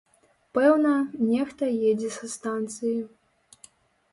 Пэўна, нехта едзе са станцыі.